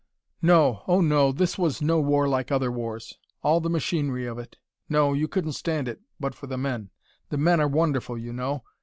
"No, oh no, this was no war like other wars. All the machinery of it. No, you couldn't stand it, but for the men. The men are wonderful, you know.